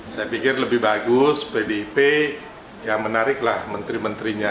saya pikir lebih bagus pdip ya menariklah menteri menterinya